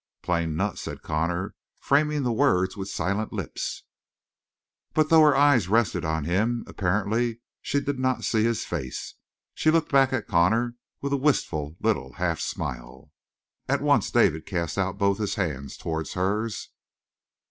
"Plain nut!" said Connor, framing the words with silent lips. But though her eyes rested on him, apparently she did not see his face. She looked back at Connor with a wistful little half smile. At once David cast out both his hands toward hers.